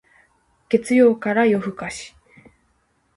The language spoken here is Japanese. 月曜から夜更かし